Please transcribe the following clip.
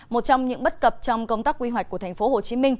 một trong những bất cập trong công tác quy hoạch của tp hcm